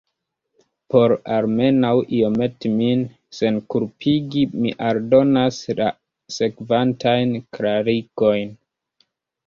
Por almenaŭ iomete min senkulpigi, mi aldonas la sekvantajn klarigojn.